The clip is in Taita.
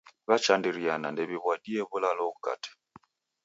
W'achandiriana ndew'iw'adie w'ulalo ghukate.